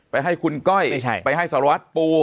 ไปให้คุณก้อยไปให้สรวรรค์ปู